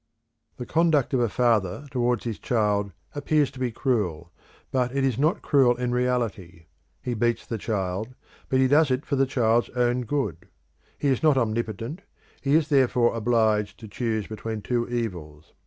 The conduct of a father towards his child appears to be cruel, but it is not cruel in reality. He beats the child, but he does it for the child's own good; he is not omnipotent; he is therefore obliged to choose between two evils.